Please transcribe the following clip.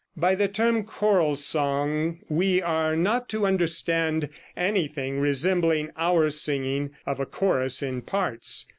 By the term choral song we are not to understand anything resembling our singing of a chorus in parts.